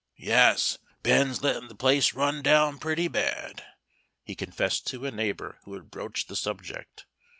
"Yes, Ben's letting the place run down pretty bad," he confessed to a neighbor who had broached the subject.